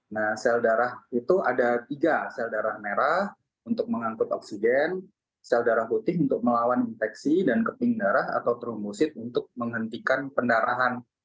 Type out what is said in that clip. nah sel darah itu ada tiga sel darah merah untuk mengangkut oksigen sel darah putih untuk melawan infeksi dan keping darah atau tromosid untuk menghentikan pendarahan